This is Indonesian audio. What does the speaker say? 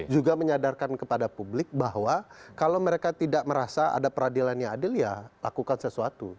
juga menyadarkan kepada publik bahwa kalau mereka tidak merasa ada peradilan yang adil ya lakukan sesuatu